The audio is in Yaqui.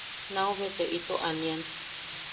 Naubete ito aanian.